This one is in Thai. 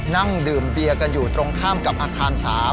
นั่งดื่มเบียร์กันอยู่ตรงข้ามกับอาคาร๓